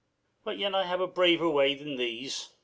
But yet I have a braver way than these.